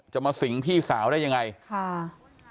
จะมาสิงห์พี่สาวได้อย่างไรค่ะค่ะ